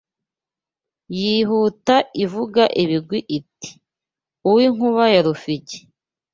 Yihuta ivuga ibigwi iti uwinkuba ya rufigi